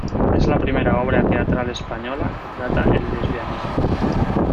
Es la primera obra teatral española que trata el lesbianismo.